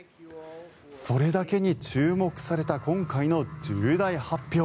それだけに注目された今回の重大発表。